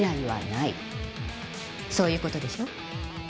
そういう事でしょう？